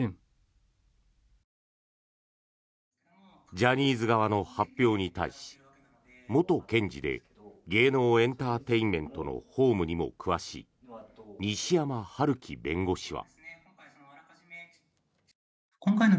ジャニーズ側の発表に対し元検事で芸能エンターテインメントの法務にも詳しい西山晴基弁護士は。